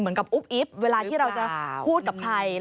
เหมือนกับอุ๊บอิ๊บเวลาที่เราจะพูดกับใคร